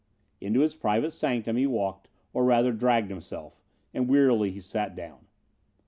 Into his private sanctum he walked or rather dragged himself, and wearily he sat down.